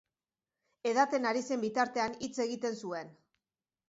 Edaten ari zen bitartean, hitz egiten zuen.